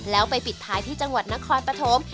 แล้วไปปิดท้ายที่จังหวัดนครปฐม